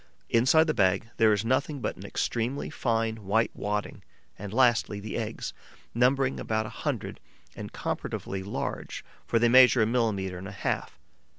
Inside the bag there is nothing but an extremely fine, white wadding and, lastly, the eggs, numbering about a hundred and comparatively large, for they measure a millimetre and a half.